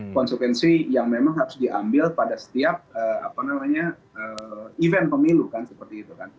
konsekuensi yang memang harus diambil pada setiap event pemilu kan seperti itu kan